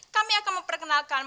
kami akan memperkenalkan